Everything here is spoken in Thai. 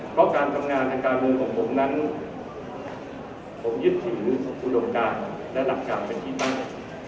เพราะการทำงานทางการเมืองของผมนั้นผมยึดถืออุดมการและหลังจากเป็นที่ตั้ง